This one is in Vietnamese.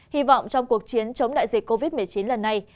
hy vọng trong cuộc chiến chống đại dịch covid một mươi chín lần này